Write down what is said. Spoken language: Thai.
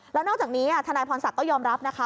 แล้วนอกจากนี้ทนายพรศักดิ์ก็ยอมรับนะคะ